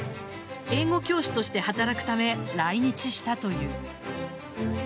英語教師として働くため来日したという。